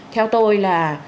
theo tôi là